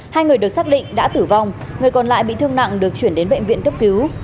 hai người được xác định đã tử vong người còn lại bị thương nặng được chuyển đến bệnh viện cấp cứu